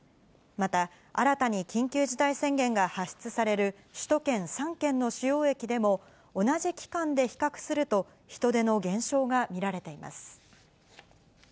また、新たに緊急事態宣言が発出される首都圏３県の主要駅でも、同じ期間で比較すると、人出の減少が見られています。